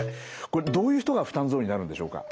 これどういう人が負担増になるんでしょうか？